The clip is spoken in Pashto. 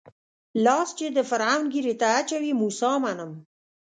لاس چې د فرعون ږيرې ته اچوي موسی منم.